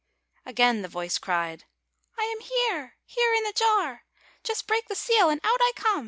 Again the voice cried, " I am here; here in the jar. Just break the seal and out I come.